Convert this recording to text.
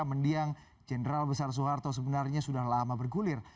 mendiang jenderal besar soeharto sebenarnya sudah lama bergulir